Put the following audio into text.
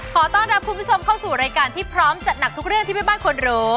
ขอต้อนรับคุณผู้ชมเข้าสู่รายการที่พร้อมจัดหนักทุกเรื่องที่แม่บ้านควรรู้